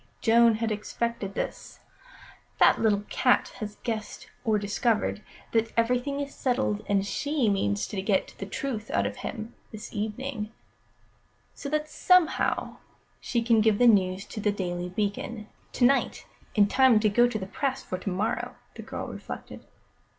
Joan had expected this. "That little cat has guessed or discovered that everything is settled, and she means to get the truth out of him this evening, so that somehow she can give the news to The Daily Beacon to night, in time to go to press for to morrow," the girl reflected.